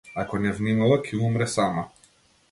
Ако не внимава ќе умре сама.